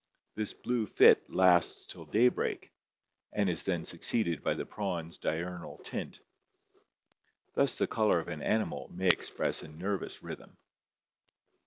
This blue fit lasts till daybreak, and is then succeeded by the prawn's diurnal tint. Thus the color of an animal may express a nervous rhythm."